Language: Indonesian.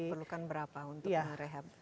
perlukan berapa untuk merehab